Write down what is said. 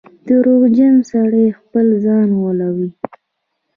• دروغجن سړی خپل ځان غولوي.